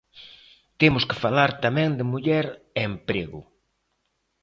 Temos que falar tamén de muller e emprego.